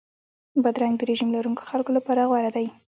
بادرنګ د رژیم لرونکو خلکو لپاره غوره دی.